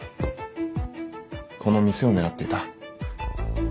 この店を狙っていた。